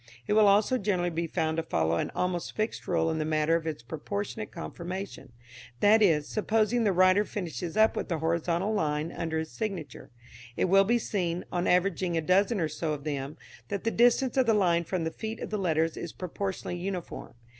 It will also generally be found to follow an almost fixed rule in the matter of its proportionate conformation: that is, supposing the writer finishes up with a horizontal line under his signature, it will be seen, on averaging a dozen or so of them, that the distance of the line from the feet of the letters is proportionately uniform.